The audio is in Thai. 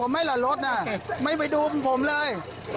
ไม่ใหม่ดูผมเลย